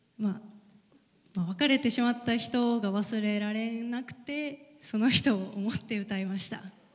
別れてしまった人が忘れられなくてその人を思って歌いました。